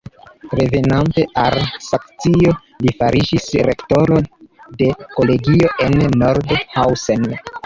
Revenante al Saksio, li fariĝis rektoro de kolegio en Nordhausen.